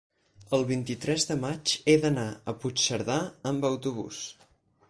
el vint-i-tres de maig he d'anar a Puigcerdà amb autobús.